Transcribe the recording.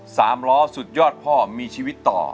สามล้อสุดยอดพ่อมีชีวิตต่อ